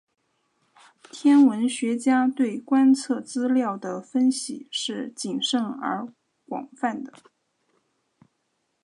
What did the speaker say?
天文学家对观测资料的分析是谨慎而广泛的。